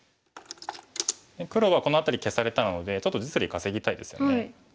黒はこの辺り消されたのでちょっと実利稼ぎたいですよね。